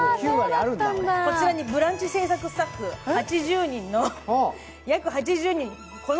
こちらに「ブランチ」制作スタッフ、約８０人。